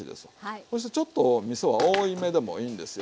そしてちょっとみそは多いめでもいいんですよ。